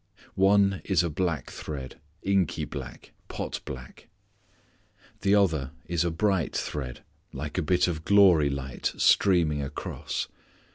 One is a black thread, inky black, pot black. The other is a bright thread, like a bit of glory light streaming across.